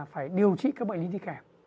phải điều trị các bệnh lý thi kẻ